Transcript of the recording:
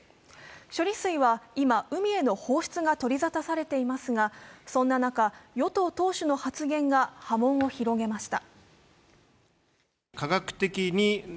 処理水は今、海への放出が取り沙汰されていますがそんな中、与党党首の発言が波紋を広げました。